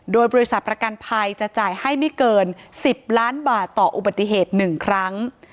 โดยบริษัทประกันภัยจะจ่ายให้ไม่เกิน๑๐ล้านบาทต่ออุบัติเหตุ๑ครั้ง